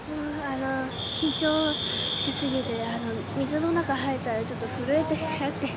緊張しすぎて水の中入ったらちょっと震えちゃって。